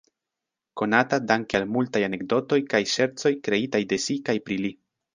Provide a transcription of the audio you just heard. Konata danke al multaj anekdotoj kaj ŝercoj kreitaj de si kaj pri li.